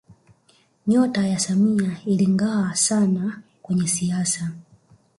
nyota ya samia ilingaa sana kwenye siasa